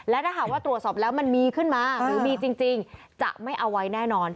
และถ้าหากว่าตรวจสอบแล้วมันมีขึ้นมาหรือมีจริงจะไม่เอาไว้แน่นอน